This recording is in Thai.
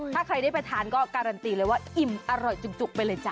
ถ้าใครได้ไปทานก็การันตีเลยว่าอิ่มอร่อยจุกไปเลยจ้